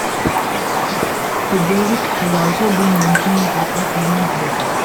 Dubrovnik has also been mentioned in popular film and theatre.